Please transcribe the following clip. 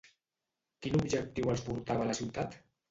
Quin objectiu els portava a la ciutat?